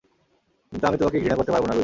কিন্তু আমি তোমাকে ঘৃণা করতে পারবনা, লুইস।